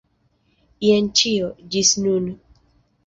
Jen ĉio, ĝis nun.